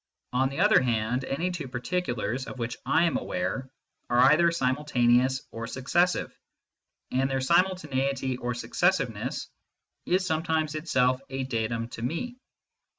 On the other hand, any two particulars of which I am aware are either simultaneous or successive, and their simul taneity or successiveness is sometimes itself a datum to me.